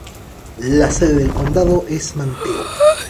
La sede del condado es Manteo.